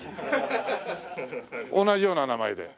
同じような名前で。